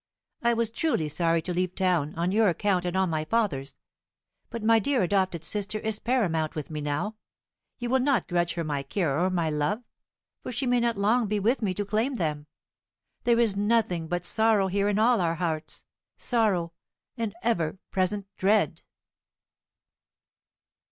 "I was truly sorry to leave town, on your account and on my father's. But my dear adopted sister is paramount with me now. You will not grudge her my care or my love, for she may not long be with me to claim them. There is nothing but sorrow here in all our hearts; sorrow, and an ever present dread."